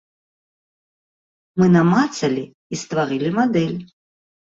Мы намацалі і стварылі мадэль.